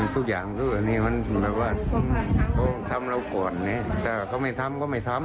ทุกอย่างอันนี้มันแบบว่าเขาทำเราก่อนถ้าเขาไม่ทำก็ไม่ทำ